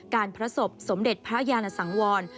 พระศพสมเด็จพระยานสังวร